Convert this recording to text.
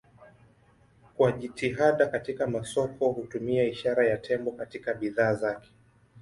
Kwa jitihada katika masoko hutumia ishara ya tembo katika bidhaa zake.